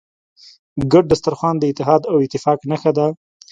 ګډ سترخوان د اتحاد او اتفاق نښه ده.